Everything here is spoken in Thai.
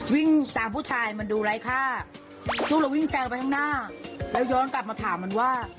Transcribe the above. วิ่งตามผู้ชายมาดูไร้ค่าลูกเราวิ่งแซวไปข้างหน้าแล้วย้อนกลับมาถามมันว่า